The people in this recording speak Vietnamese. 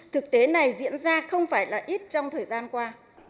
thực tế này diễn ra không phải là ít trong thời gian qua